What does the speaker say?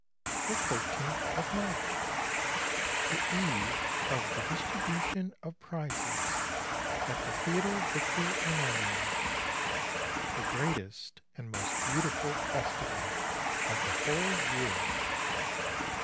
The thirteenth of March ! The eve of the distribution of prizes at the Theatre Victor Emanuel, the great est and most beautiful festival of the whole year!